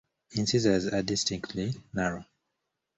Incisors are distinctly narrow.